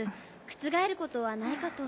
覆ることはないかと。